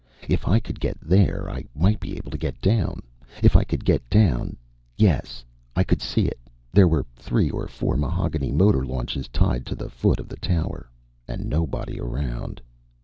If I could get there, I might be able to get down. If I could get down yes, I could see it; there were three or four mahogany motor launches tied to the foot of the tower. And nobody around.